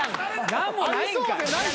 何もないんかい。